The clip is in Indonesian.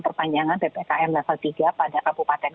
perpanjangan ppkm level tiga pada kabupaten